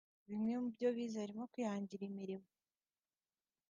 Bimwe mu byo bize harimo kwihangira imirimo